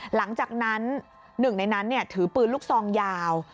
หลังจากนั้นหนึ่งในนั้นถือปืนลูกซองยาว